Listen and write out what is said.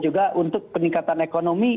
juga untuk peningkatan ekonomi